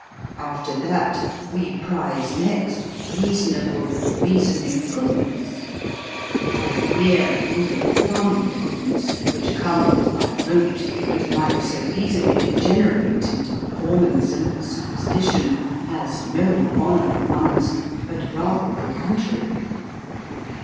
After that, we prize next reasonable and reasoning goodness; for mere rule of thumb goodness, which comes by rote, and might so easily degenerate into formalism or superstition, has no honour among us, but rather the contrary.